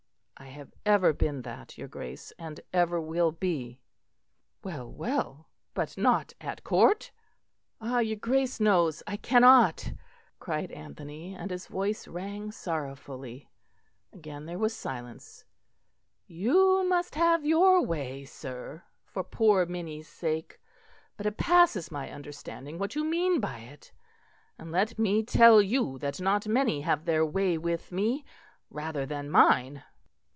"I have ever been that, your Grace; and ever will be." "Well, well, but not at Court?" "Ah! your Grace knows I cannot," cried Anthony, and his voice rang sorrowfully. Again there was silence. "You must have your way, sir, for poor Minnie's sake; but it passes my understanding what you mean by it. And let me tell you that not many have their way with me, rather than mine."